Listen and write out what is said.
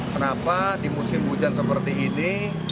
kenapa di musim hujan seperti ini